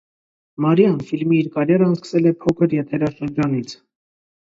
Մարիան ֆիլմի իր կարիերան սկսել է փոքր եթերաշրջանից։